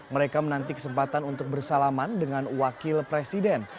mereka menanti kesempatan untuk bersalaman dengan wakil presiden